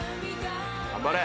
頑張れ。